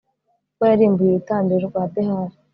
kuko yarimbuye urutambiro rwa behali